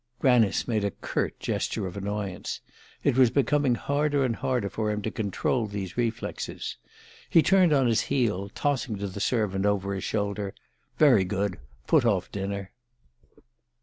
Granice made a curt gesture of annoyance. It was becoming harder and harder for him to control these reflexes. He turned on his heel, tossing to the servant over his shoulder: "Very good. Put off dinner."